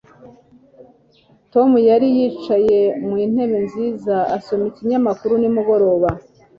tom yari yicaye mu ntebe nziza, asoma ikinyamakuru nimugoroba